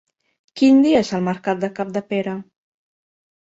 Quin dia és el mercat de Capdepera?